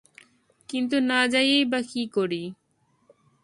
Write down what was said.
কিন্তু না যাইয়াই বা কী করি।